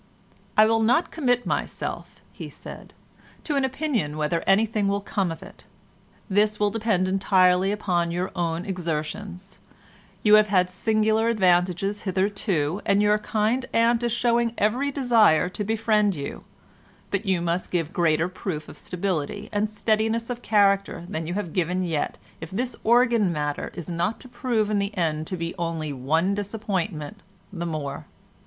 "I will not commit myself," he said, "to an opinion whether anything will come of it; this will depend entirely upon your own exertions; you have had singular advantages hitherto, and your kind aunt is showing every desire to befriend you, but you must give greater proof of stability and steadiness of character than you have given yet if this organ matter is not to prove in the end to be only one disappointment the more.